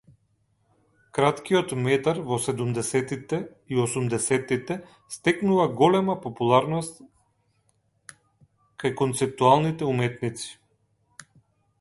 Краткиот метар во седумдесеттите и осумдесеттите стекнува голема популарност кај концептуалните уметници.